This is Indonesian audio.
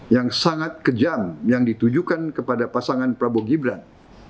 yang sangat kejam yang ditujukan kepada pasangan prabowo gibran